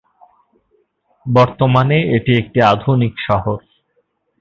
বর্তমানে এটি একটি আধুনিক শহর।